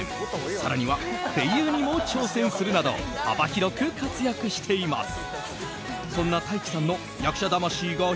更には、声優にも挑戦するなど幅広く活躍しています。